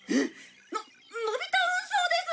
「ののび太運送です」